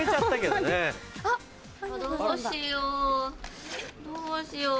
・どうしよう？